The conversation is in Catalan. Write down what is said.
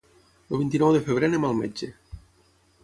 El vint-i-nou de febrer anem al metge.